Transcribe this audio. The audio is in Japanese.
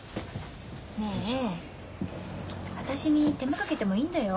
ねえ私に手間かけてもいいんだよ？